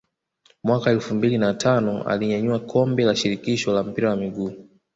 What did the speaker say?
Mwaka elfu mbili na tano alinyanyua kombe la shirikisho la mpira wa miguu